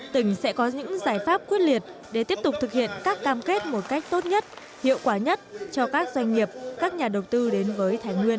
tỉnh sẽ có những giải pháp quyết liệt để tiếp tục thực hiện các cam kết một cách tốt nhất hiệu quả nhất cho các doanh nghiệp các nhà đầu tư đến với thái nguyên